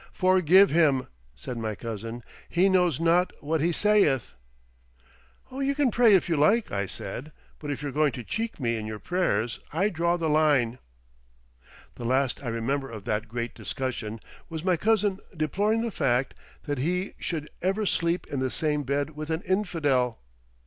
"Forgive him," said my cousin, "he knows not what he sayeth." "You can pray if you like," I said, "but if you're going to cheek me in your prayers I draw the line." The last I remember of that great discussion was my cousin deploring the fact that he "should ever sleep in the same bed with an Infidel!"